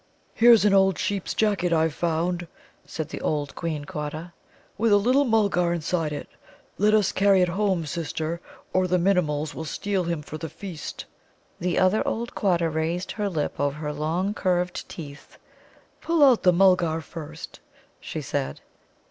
"Here's an old sheep's jacket I've found," said the old Queen Quatta, "with a little Mulgar inside it. Let us carry it home, Sister, or the Minimuls will steal him for their feast." The other old Quatta raised her lip over her long curved teeth. "Pull out the Mulgar first," she said.